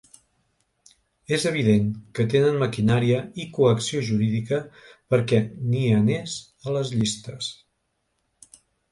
És evident que tenen maquinària i coacció jurídica perquè ni anés a les llistes.